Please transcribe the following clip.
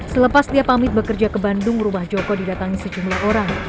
selepas dia pamit bekerja ke bandung rumah joko didatangi sejumlah orang